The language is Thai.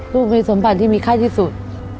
ลูกมีสมบัติที่มีไข้ที่สุด